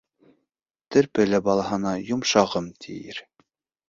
Терпе лә балаһына «йомшағым» тиер.